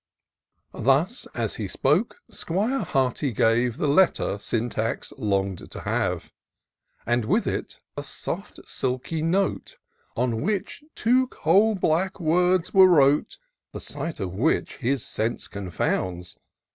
Thus, as he spoke, 'Squire Hearty gave The letter Syntax long'd to have ; And with it a soft silky note. On which two coal black words were wrote ; The sight of which his sense confounds.